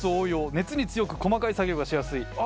熱に強く細かい作業がしやすい。